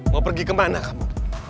mau pergi kemana kamu